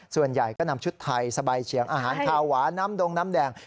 ส่วนใหญ่ก็นำชุดไทยสบายเฉียงอาหารคาวหวานน้ำดงน้ำแดง